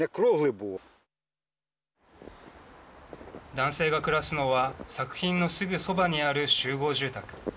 男性が暮らすのは作品のすぐそばにある集合住宅。